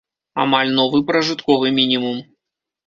Амаль новы пражытковы мінімум.